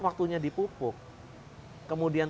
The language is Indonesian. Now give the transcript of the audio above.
waktunya dipupuk kemudian